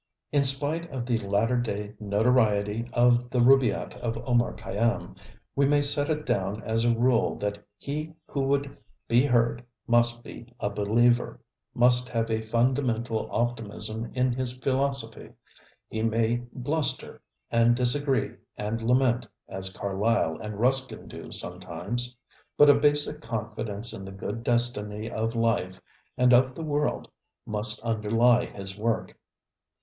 In spite of the latter day notoriety of the ŌĆ£Rub├Īiy├ĪtŌĆØ of Omar Khayy├Īm, we may set it down as a rule that he who would be heard must be a believer, must have a fundamental optimism in his philosophy. He may bluster and disagree and lament as Carlyle and Ruskin do sometimes; but a basic confidence in the good destiny of life and of the world must underlie his work.